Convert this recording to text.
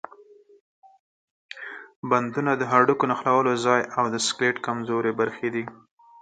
بندونه د هډوکو د نښلولو ځای او د سکلیټ کمزورې برخې دي.